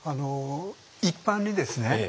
一般にですね